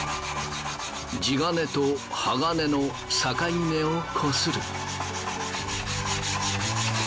地金と鋼の境目をこする。